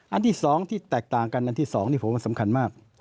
อันที่๒ที่แตกต่างกันอันที่๒นี่ผมว่าสำคัญมาก